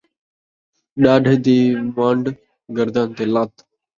ݙاڈھے دی ون٘ڈ ، گردن تے لت